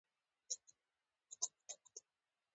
ازادي راډیو د کلتور په اړه د استادانو شننې خپرې کړي.